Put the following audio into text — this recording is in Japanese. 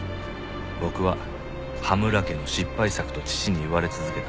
僕は羽村家の失敗作と父に言われ続けた。